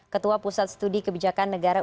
ketua pusat studi kebijakan negara